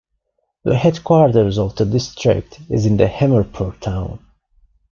The headquarters of the district is in the Hamirpur town.